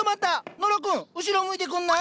野呂君後ろ向いてくんない？